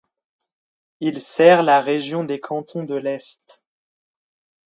Il sert la région des Cantons de l'Est.